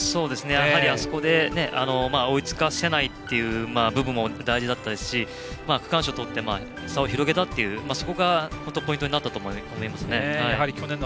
やはり、あそこで追いつかせないという部分も大事だったですし区間賞をとって差を広げたというところがポイントになったと思います。